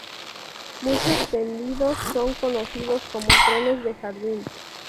Muchos tendidos son conocidos como "trenes de jardín".